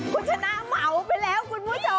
คุณชนะเหมาไปแล้วคุณผู้ชม